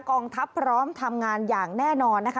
กองทัพพร้อมทำงานอย่างแน่นอนนะคะ